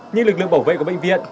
nhưng lực lượng bảo vệ của bệnh viện